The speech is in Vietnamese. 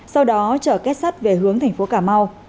sau đó chở kết sắt về hướng thành phố cà mau